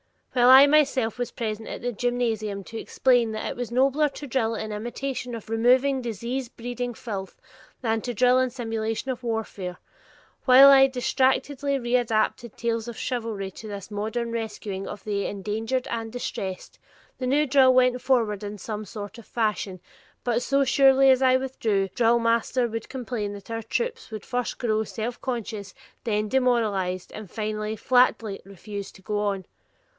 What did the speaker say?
While I myself was present at the gymnasium to explain that it was nobler to drill in imitation of removing disease breeding filth than to drill in simulation of warfare; while I distractedly readapted tales of chivalry to this modern rescuing of the endangered and distressed, the new drill went forward in some sort of fashion, but so surely as I withdrew, the drillmaster would complain that our troops would first grow self conscious, then demoralized, and finally flatly refuse to go on.